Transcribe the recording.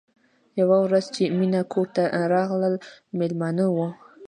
یوه ورځ چې مینه کور ته راغله مېلمانه وو